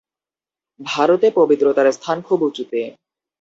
ভারতে পবিত্রতার স্থান খুব উঁচুতে।